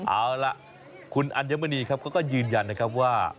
เอาล่ะคุณอัญมณีครับเขาก็ยืนยันนะครับว่า